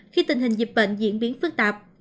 khi tình hình dịch bệnh diễn biến phức tạp